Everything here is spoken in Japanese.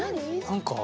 何か。